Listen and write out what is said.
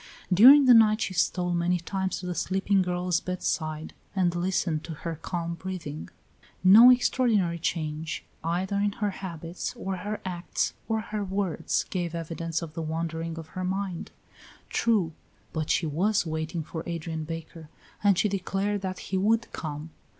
During the night she stole many times to the sleeping girl's bedside and listened to her calm breathing. No extraordinary change, either in her habits, or her acts, or her words, gave evidence of the wandering of her mind. True; but she was waiting for Adrian Baker and she declared that he would come.